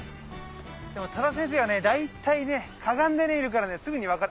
でも多田先生はね大体ねかがんでいるからすぐに分かる。